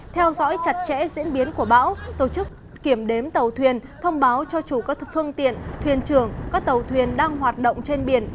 theo dõi chặt chẽ diễn biến của bão tổ chức kiểm đếm tàu thuyền thông báo cho chủ các phương tiện thuyền trưởng các tàu thuyền đang hoạt động trên biển